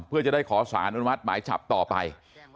เพื่อจะได้ขอสารอนุมัติหมายจับต่อไป